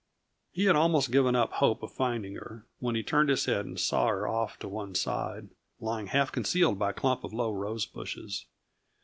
He had almost given up hope of finding her, when he turned his head and saw her off to one side, lying half concealed by a clump of low rose bushes.